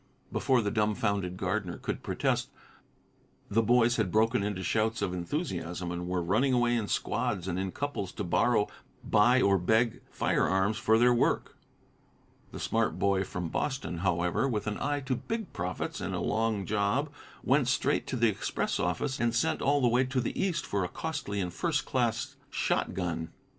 Before the dumfounded gardener could protest, the boys had broken into shouts of enthusiasm, and were running away in squads and in couples to borrow, buy or beg firearms for their work. The smart boy from Boston, however, with an eye to big profits and a long job, went straight to the express office, and sent all the way to the East for a costly and first class shotgun.